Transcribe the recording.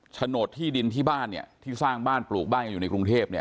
โฉนดที่ดินที่บ้านเนี่ยที่สร้างบ้านปลูกบ้านกันอยู่ในกรุงเทพเนี่ย